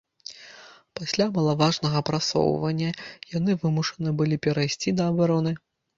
Пасля малаважнага прасоўвання яны вымушаны былі перайсці да абароны.